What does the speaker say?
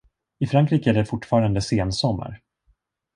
I Frankrike är det fortfarande sensommar.